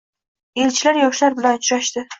Elchilar yoshlar bilan uchrashdi